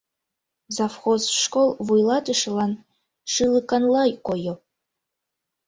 Завхоз школ вуйлатышылан шӱлыканла койо.